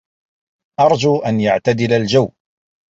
أَرْجُو أَنْ يَعْتَدِلَ الْجَوُّ.